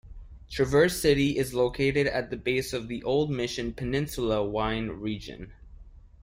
Traverse city is located at the base of the Old Mission Peninsula wine region.